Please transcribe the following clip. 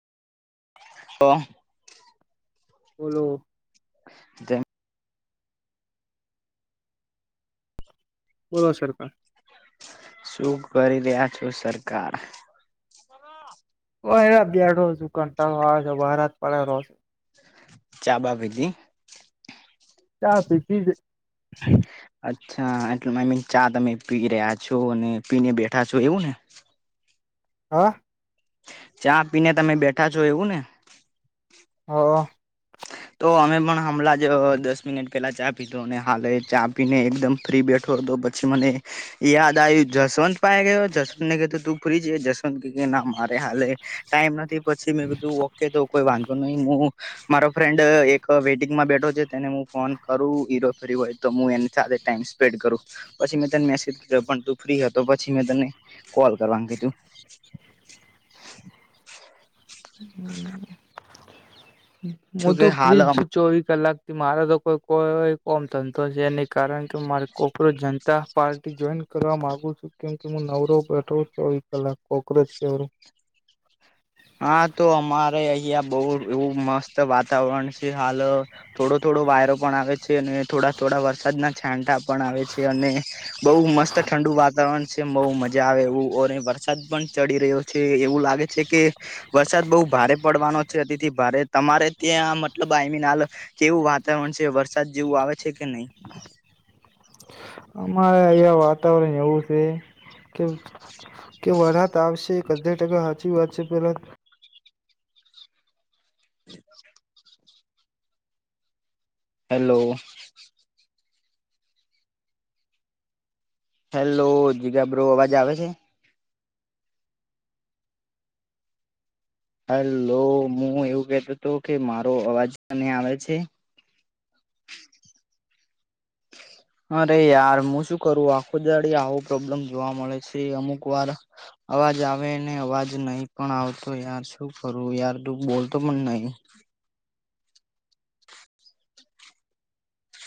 Hello બોલો તેમ બોલો, સરકાર સુ કરી રહ્યા છો, સરકાર? ઓ યાર, બેઠો છું કંટાળો આવે છે, વારહાત પડે રોજ. ચા બા પીધી? ચા પીધી છે. [unintelligible] અચ્છા એટલે આઈ મીન, ચા તમે પી જ રહ્યા છો અને પીને બેઠા છો, એવું ને? હા ચા પીને તમે બેઠા છો, એવું ને? હ તો અમે પણ હમલા જ, દસ મિનિટ પેલા ચા પીધો, અને હાલેય ચા પીને એકદમ ફ્રી બેઠો હતો પ છી મને યાદ આયુ, જસવંત પાહે ગયો, જસવંતને કેધુ તું ફ્રી છે? જસવંત કે કે ના મારે હાલે ટાઈમ નથી, પછી મેં કીધું, ઓકે, તો કોઈ વાંધો નહી, હું મારો ફ્રેન્ડ એક વેટિંગમાં બેઠો છે, તેને હું ફોન કરું, ઈરો ફરી હોય તો હું એની સાથે ટાઈમ સ્પેન્ડ કરું. પછી મેં તને મેસેજ કીધો પણ તું ફ્રી હતો. પછી મેં તને કોલ કરવાનું કીધું. હ હું તો ફ્રિજ હાલ ચોવીસ કલાક થી મારા તો કોઈ કોઈ કોમ સંતોષ છે એની કારણ કે મારે કોકરો જનતા પાર્ટી જોઈન કરવા માગુ છું કેમ કે હું નવરો બેઠો છ લા કોક્રોચ કેવું હા તો અમારે અહં બહુ એવું મસ્ત વાતાવરણ છે હાલ થોડો થોડો વાયરો પણ આવે અને થોડા થોડા વરસાદના છાંટા પણ આવે છે અને બહુ મસ્ત ઠંડુ વા વાતાવરણ છે બઉુ મજા આવે એવું અને અને વરસાદ પણ ચડી રહ્યો છે એવું લાગે છે કે વરસાદ બહુ ભારે પડવાનો છે અતિથી ભારે તમારે ત્યાં મતલબ આઈમીન હાલ કેવું વાતાવરણ છે વરસાદ જેવું આવે છે કે નહીિ અમારે અહંયા વાતાવરણ એવું છે કે કે વરાત આવશે એક અજયાર ટકા સાચી વાત છે પેલા હમ હેલો હેલો જીગાબ્રો અવાજ આવે છે હલો હું એવું કતો હતો કે મારો અવાજ કને આવે છે હ અરે યાર હું શું કરું આખું દાડી આવો પ્રોબ્લેમ જોવા મળે છે અમુક વાર અવાજ આવે ને અવાજ નહી પણ આવતો યાર શું કરું યાર તું બોલતો પણ નહીિ